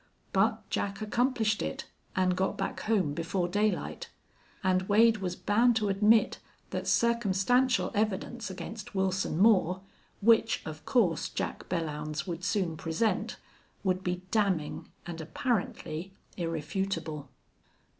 But Jack accomplished it and got back home before daylight. And Wade was bound to admit that circumstantial evidence against Wilson Moore, which, of course, Jack Belllounds would soon present, would be damning and apparently irrefutable.